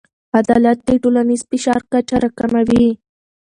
عدالت د ټولنیز فشار کچه راکموي.